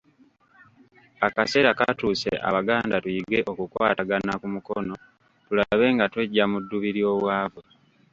Akaseera katuuse Abaganda tuyige okukwatagana ku mukono tulabe nga twejja mu ddubi ly’obwavu.